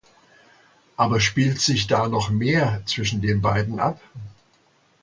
Aber spielt sich da noch mehr zwischen den beiden ab?